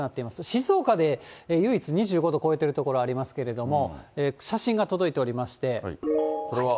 静岡で唯一２５度を超えている所ありますけど、写真が届いておりまして。